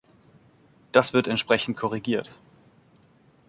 Das wird entsprechend korrigiert.